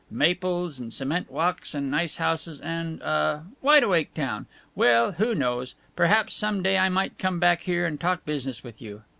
Maples and cement walks and nice houses and uh wide awake town.... Well, who knows! Perhaps some day I might come back here and talk business with you.